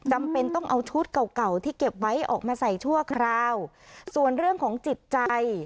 จำเป็นต้องเอาชุดเก่าเก่าที่เก็บไว้ออกมาใส่ชั่วคราวส่วนเรื่องของจิตใจ